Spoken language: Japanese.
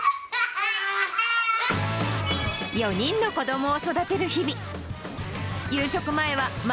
４人の子どもを育てる日々。